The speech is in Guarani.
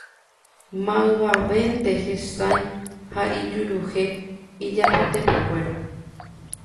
Maymávante hesãi ha ijuruhe ijapytepekuéra